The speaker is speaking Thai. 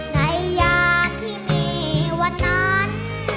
ในอย่างที่มีวันนั้น